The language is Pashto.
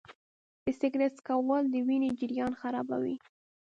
د سګرټ څکول د وینې جریان خرابوي.